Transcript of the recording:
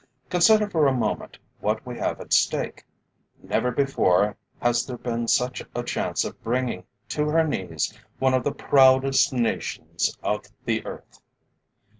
Consider for a moment what we have at stake. Never before has there been such a chance of bringing to her knees one of the proudest nations of the earth.